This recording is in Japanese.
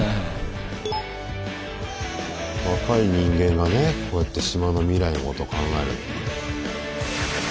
若い人間がねこうやって島の未来のこと考える。